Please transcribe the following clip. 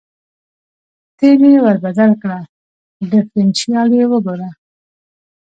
تېل یې ور بدل کړه، ډېفرېنشیال یې وګوره.